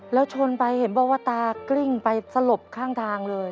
แล้วชนไปเห็นบอกว่าตากริ้งไปสลบข้างทางเลย